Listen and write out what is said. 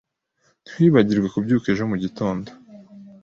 Ntiwibagirwe kubyuka ejo mugitondo.